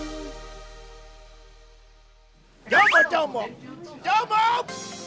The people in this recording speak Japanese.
どーも、どーもどーも！